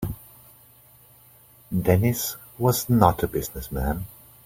Dennis was not a business man.